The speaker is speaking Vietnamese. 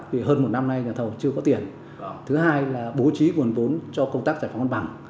vì hơn một năm nay nhà thầu chưa có tiền thứ hai là bố trí nguồn vốn cho công tác giải phóng mặt bằng